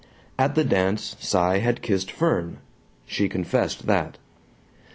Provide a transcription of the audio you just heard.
At the dance Cy had kissed Fern she confessed that.